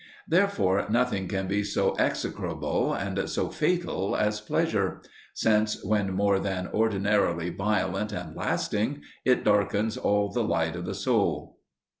Therefore nothing can be so execrable and so fatal as pleasure; since, when more than ordinarily violent and lasting, it darkens all the light of the soul."